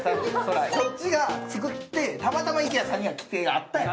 こっちが作って、たまたまＩＫＥＡさんには規定があったんや。